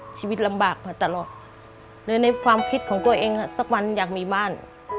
ชีวิตลำบากมาตลอดเลยในความคิดของตัวเองสักวันอยากมีบ้าน